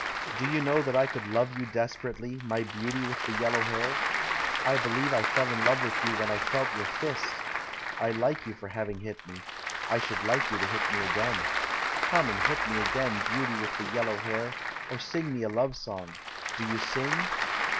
"Do you know that I could love you desperately, my beauty with the yellow hair? I believe I fell in love with you when I felt your fist! I like you for having hit me — I should like you to hit me again. Come and hit me again, beauty with the yellow hair — or sing me a love song. Do you sing?"